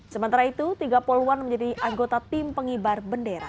sementara itu tiga poluan menjadi anggota tim pengibar bendera